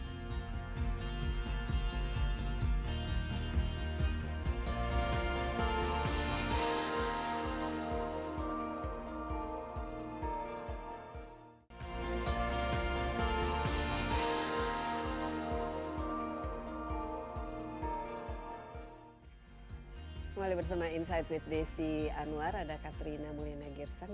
kembali bersama insakid desi anwar ada katrina mulyana girsang